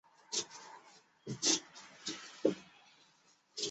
澳洲人自创的版本于澳洲雪梨昆士兰表演艺术中心担任崔普上校。